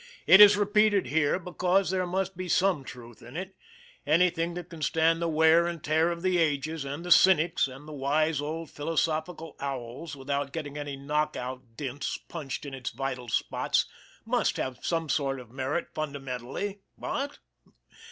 It is repeated here because there must be some truth in it anything that can stand the wear and tear of the ages, and the cynics, and the wise old philosophical owls without getting any knock out dints punched in its vital spots must have some sort of merit fundamentally, what?